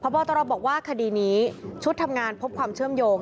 บอตรบอกว่าคดีนี้ชุดทำงานพบความเชื่อมโยง